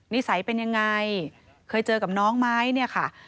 นิสัยเป็นยังไงเคยเจอกับน้องไหมเนี่ยค่ะ